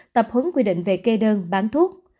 tập hướng quy định về kê đơn bán thuốc